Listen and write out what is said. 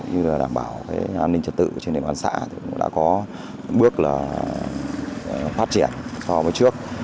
như là đảm bảo an ninh trật tự trên địa bàn xã thì cũng đã có bước là phát triển so với trước